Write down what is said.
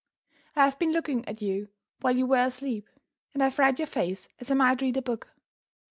I have been looking at you while you were asleep; and I have read your face as I might read a book.